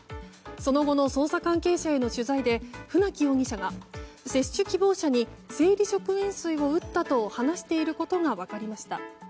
その後の捜査関係者への取材で船木容疑者が、接種希望者に生理食塩水を打ったと話していることが分かりました。